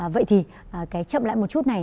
vậy thì cái chậm lại một chút này